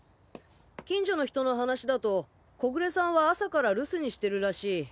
近所の人の話だと小暮さんは朝から留守にしてるらしい。